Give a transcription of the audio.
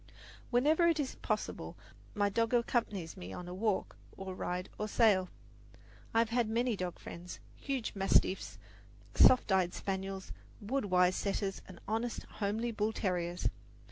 Whenever it is possible, my dog accompanies me on a walk or ride or sail. I have had many dog friends huge mastiffs, soft eyed spaniels, wood wise setters and honest, homely bull terriers.